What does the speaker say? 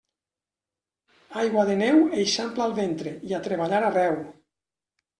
Aigua de neu eixampla el ventre i a treballar arreu.